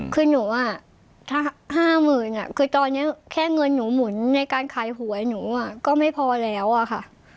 คือหนูอ่ะถ้าห้ามื่นอ่ะคือตอนนี้แค่เงินหนูหมุนในการขายหัวหนูอ่ะก็ไม่พอแล้วอ่ะค่ะ